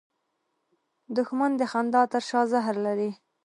دښمن د خندا تر شا زهر لري